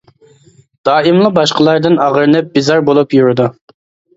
دائىملا باشقىلاردىن ئاغرىنىپ، بىزار بولۇپ يۈرىدۇ.